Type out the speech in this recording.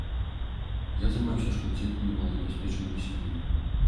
Я займаюся шматдзетнымі малазабяспечанымі сем'ямі.